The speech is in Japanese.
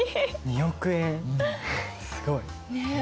２億円すごい！ね。